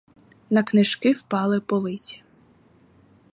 На книжки впали полиці.